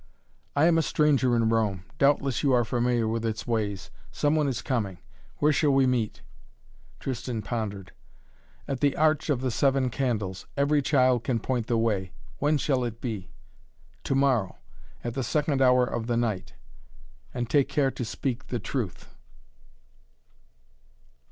"I am a stranger in Rome. Doubtless you are familiar with its ways. Some one is coming. Where shall we meet?" Tristan pondered. "At the Arch of the Seven Candles. Every child can point the way. When shall it be?" "To morrow, at the second hour of the night. And take care to speak the truth!"